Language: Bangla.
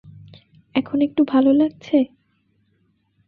এখন একটু ভালো লাগছে?